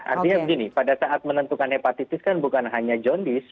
artinya begini pada saat menentukan hepatitis kan bukan hanya john disk